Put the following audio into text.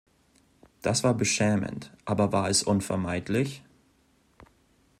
Das war beschämend, aber war es unvermeidlich?